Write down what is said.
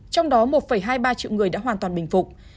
trong đó một hai mươi ba triệu người đã hoàn toàn bình phục